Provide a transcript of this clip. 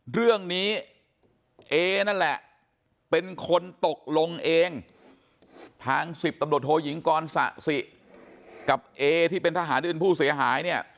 เรื่องนี้เอนั่นแหละเป็นคนตกลงเองทาง๑๐ตำรวจโทยิงกรสะสิกับเอที่เป็นทหารที่เป็นผู้เสียหายเนี่ย